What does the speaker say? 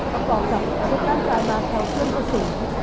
ก็ต้องการตั้งใจมาคลายเชื่อมเข้าสูง